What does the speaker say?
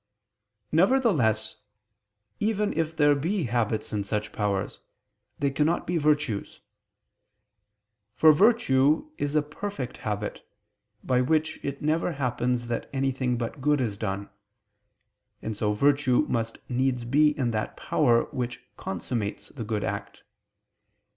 Nevertheless even if there be habits in such powers, they cannot be virtues. For virtue is a perfect habit, by which it never happens that anything but good is done: and so virtue must needs be in that power which consummates the good act.